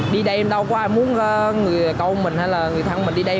đi đêm đâu có ai muốn người con mình hay là người thân mình đi đêm